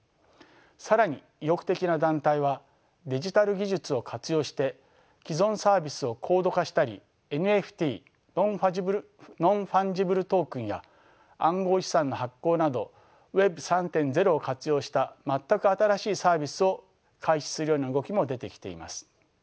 更に意欲的な団体はデジタル技術を活用して既存サービスを高度化したりＮＦＴや暗号資産の発行などＷｅｂ３．０を活用した全く新しいサービスを開始するような動きも出てきています。